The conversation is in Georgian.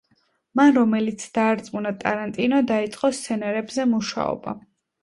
მან რომელიც დაარწმუნა ტარანტინო, დაეწყო სცენარებზე მუშაობა.